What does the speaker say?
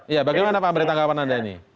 ya bagaimana pak amri tanggapan anda ini